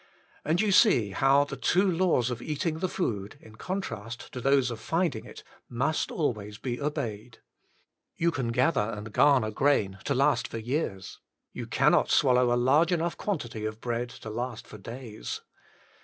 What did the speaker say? And you see how the two laws of eating the food, in contrast to those of finding it, must always be obeyed. You can gather and garner grain to last for years. You cannot swallow a large enough quantity of bread to last for days.